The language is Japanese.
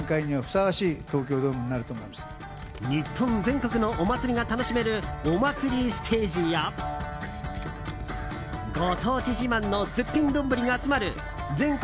日本全国のお祭りが楽しめるお祭りステージやご当地自慢の絶品丼が集まる全国